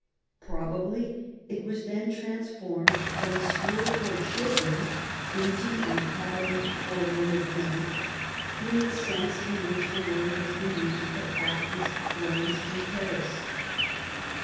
Probably it was then trans formed from a school for children into an Academy for learned men, in the sense in which the word has been used at Athens, Florence, and Paris.